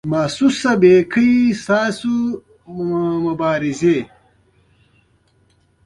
محسوس به کړئ چې ستاسو مبارزې.